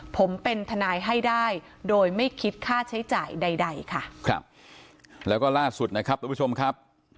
ผมเป็นทนายให้ได้โดยไม่คิดค่าใช้จ่ายใดใดค่ะครับแล้วก็ล่าสุดนะครับทุกผู้ชมครับ